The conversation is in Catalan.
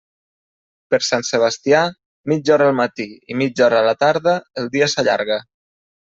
Per Sant Sebastià, mitja hora al matí i mitja a la tarda, el dia s'allarga.